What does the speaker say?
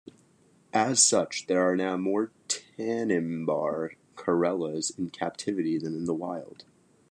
As such, there are now more Tanimbar corellas in captivity than in the wild.